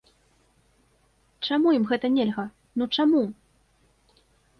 Чаму ім гэта нельга, ну чаму?